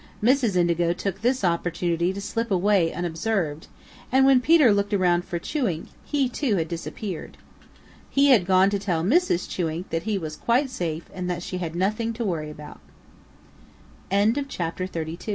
Mrs. Indigo took this opportunity to slip away unobserved, and when Peter looked around for Chewink, he too had disappeared. He had gone to tell Mrs. Chewink that he was quite safe and that she had nothing to worry about. CHAPTER XXXIII. A Royal Dresser and a Lat